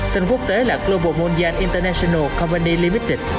tên quốc tế là global monjan international company limited